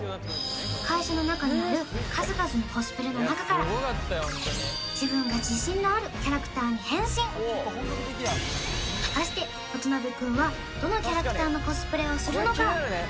会社の中にある数々のコスプレの中から自分が自信のあるキャラクターに変身果たして渡辺君はどのキャラクターのコスプレをするのか？